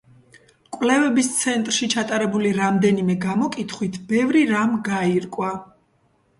კვლევების ცენტრში ჩატარებული რამდენიმე გამოკითხვით, ბევრი რამ გაირკვა.